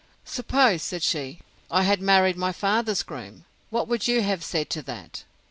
Suppose, said she, I had married my father's groom! what would you have said to that?